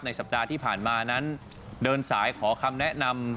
สัปดาห์ที่ผ่านมานั้นเดินสายขอคำแนะนำ